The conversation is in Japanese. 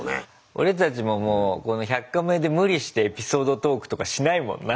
俺たちももうこの「１００カメ」で無理してエピソードトークとかしないもんな。